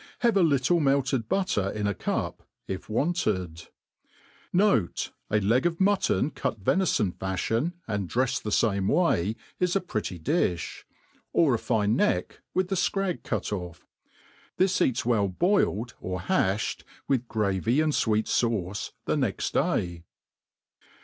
Have a little melted bu'tter in a cup, if wanted* • Note, a leg of mutton cut venifon falhion, and dreflied the fame way, is a pretty difh ; or a fine neck, with the fcrag cut ofl^*. This eats well boiled, or hafhed, with gravy and fweet fauce, the next day.